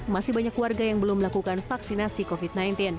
masih banyak warga yang belum melakukan vaksinasi covid sembilan belas